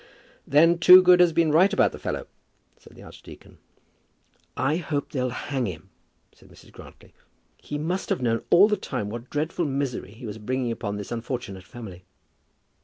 "Then Toogood has been right about the fellow," said the archdeacon. "I hope they'll hang him," said Mrs. Grantly. "He must have known all the time what dreadful misery he was bringing upon this unfortunate family."